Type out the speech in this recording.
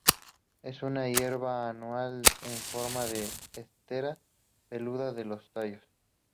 Es una hierba anual en forma de esteras, peluda en los tallos.